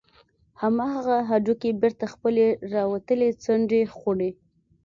همغه هډوکى بېرته خپلې راوتلې څنډې خوري.